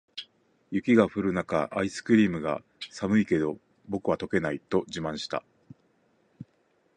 雪が降る中、アイスクリームが「寒いけど、僕は溶けない！」と自慢した。